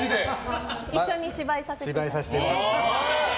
一緒に芝居させていただいて。